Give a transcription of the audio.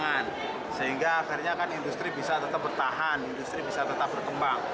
sehingga akhirnya kan industri bisa tetap bertahan industri bisa tetap berkembang